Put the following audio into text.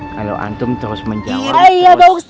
kalau antum terus menjawab